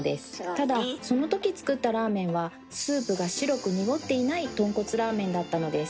ただその時作ったラーメンはスープが白くにごっていないとんこつラーメンだったのです。